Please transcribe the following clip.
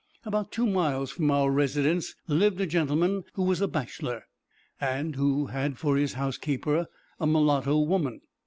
About two miles from our residence lived a gentleman who was a bachelor, and who had for his housekeeper a mulatto woman.